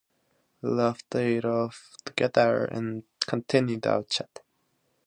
We laughed it off together and continued our chat.